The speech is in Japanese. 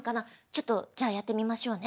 ちょっとじゃあやってみましょうね。